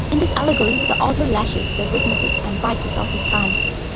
In this allegory, the author lashes the weaknesses and vices of his time.